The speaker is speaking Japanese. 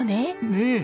ねえ。